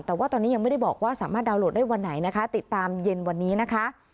แต่ว่าตอนนี้ยังไม่ได้บอกว่าสามารถดาวนโหลดได้วันไหนนะคะติดตามเย็นวันนี้นะคะ